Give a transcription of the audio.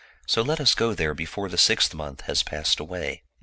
So let us go there before the sixth month has passed away."